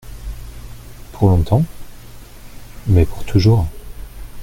Pour longtemps ? Mais pour toujours.